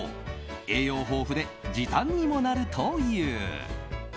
栄養豊富で時短にもなるという。